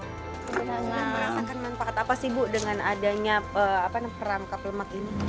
merasakan manfaat apa sih bu dengan adanya perangkap lemak ini